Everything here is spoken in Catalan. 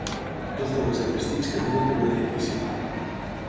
Dues dones amb vestits caminen per un edifici.